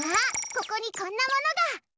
ここに、こんなものが！